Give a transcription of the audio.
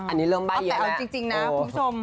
อันนี้เริ่มว่ายังละนะอ๋อแต่ออกจริงนะคุณสม